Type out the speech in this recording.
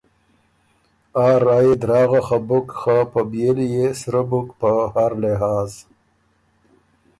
آ رایٛ يې دراغه خه بُک خه په بيېلی يې سرۀ بُک په هر لحاظ۔